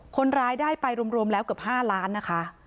คนร้ายได้ไปรวมแล้วเกือบ๕ล้านนะคะ